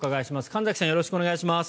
神崎さんよろしくお願いします。